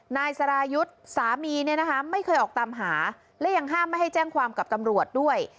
นายสรายุทธ์สามีเนี่ยนะคะไม่เคยออกตามหาและยังห้ามไม่ให้แจ้งความกับตำรวจด้วย